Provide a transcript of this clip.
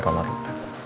sampai besok pak